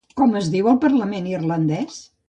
Com es diu el parlament irlandès?